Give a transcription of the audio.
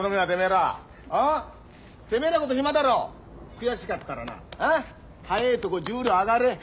悔しかったらな早えとこ十両上がれ。